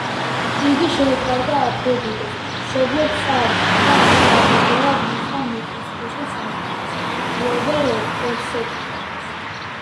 იგი შეუყვარდა აფროდიტეს, მშობლებს წაართვა და აღსაზრდელად მისცა მიწისქვეშა სამყაროს მფლობელ პერსეფონეს.